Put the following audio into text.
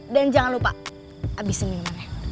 dan jangan lupa abisin minumannya